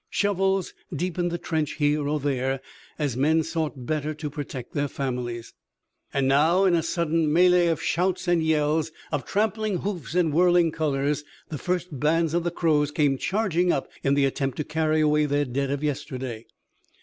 Shovels deepened the trench here or there as men sought better to protect their families. And now in a sudden melée of shouts and yells, of trampling hoofs and whirling colors, the first bands of the Crows came charging up in the attempt to carry away their dead of yesterday.